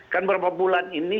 kan beberapa bulan ini